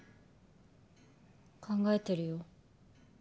考えてるよ